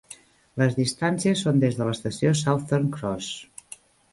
Les distàncies són des de l'estació Southern Cross.